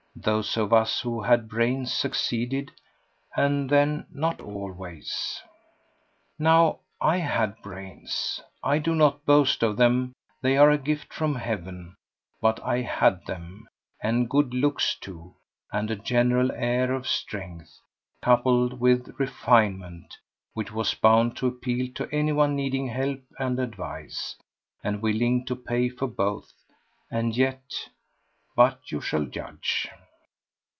Those of us who had brains succeeded, and then not always. Now, I had brains—I do not boast of them; they are a gift from Heaven—but I had them, and good looks, too, and a general air of strength, coupled with refinement, which was bound to appeal to anyone needing help and advice, and willing to pay for both, and yet—but you shall judge.